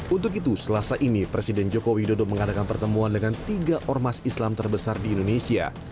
untuk itu selasa ini presiden joko widodo mengadakan pertemuan dengan tiga ormas islam terbesar di indonesia